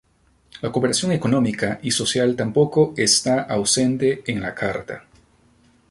La cooperación económica y social tampoco está ausente en la Carta.